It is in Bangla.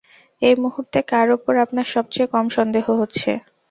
এই মুহূর্তে কার ওপর আপনার সবচেয়ে কম সন্দেহ হচ্ছে?